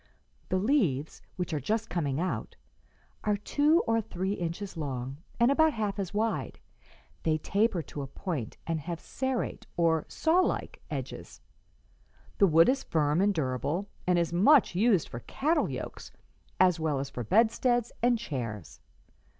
The leaves, which are just coming out, are two or three inches long and about half as wide; they taper to a point and have serrate, or sawlike, edges. The wood is firm and durable, and is much used for cattle yokes as well as for bedsteads and chairs.